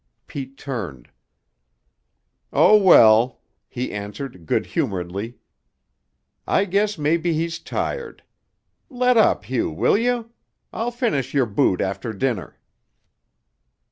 Pete turned. "Oh, well," he answered good humoredly, "I guess maybe he's tired. Let up, Hugh, will you? I'll finish your boot after dinner."